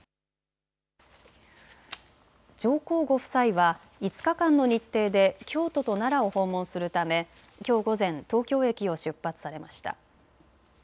上皇ご夫妻は５日間の日程で京都と奈良を訪問するためきょう午前、東京駅を出発されました。